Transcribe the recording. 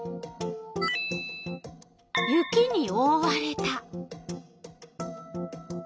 雪におおわれた。